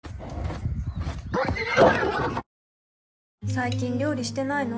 最近料理してないの？